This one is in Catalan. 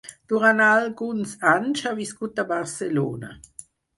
Durant alguns anys ha viscut a Barcelona.